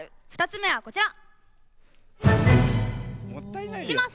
２つ目は、こちら。